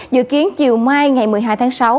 dự kiến chiều mai ngày một mươi hai tháng sáu